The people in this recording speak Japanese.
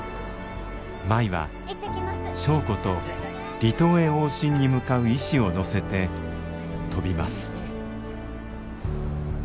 舞は祥子と離島へ往診に向かう医師を乗せて飛びます。